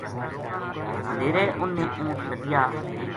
مدیہرے انھ نے اونٹھ لدیا